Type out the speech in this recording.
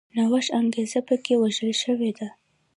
نوښت انګېزه په کې وژل شوې وه